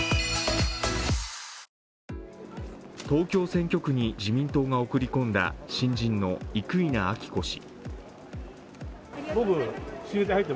東京選挙区に自民党が送り込んだ新人の生稲晃子氏。